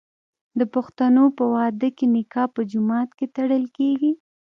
د پښتنو په واده کې نکاح په جومات کې تړل کیږي.